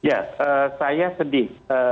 ya saya sedih